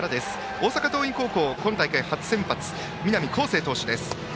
大阪桐蔭高校、今大会初先発南恒誠投手です。